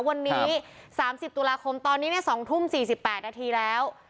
วันนี้สามสิบตุลาคมตอนนี้เนี่ยสองทุ่มสี่สิบแปดนาทีแล้ว